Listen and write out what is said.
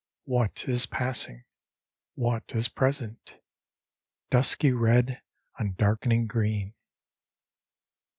What is passing ? What is present ? Dusky red on darkening green.